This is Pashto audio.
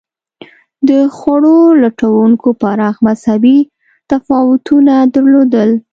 د خوړو لټونکو پراخ مذهبي تفاوتونه درلودل.